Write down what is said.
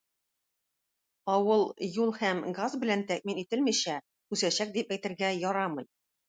Авыл юл һәм газ белән тәэмин ителмичә, үсәчәк дип әйтергә ярамый.